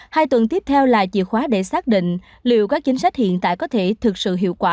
hai tuần tiếp theo là chìa khóa để xác định liệu các chính sách hiện tại có thể thực sự hiệu quả